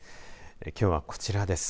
きょうはこちらです。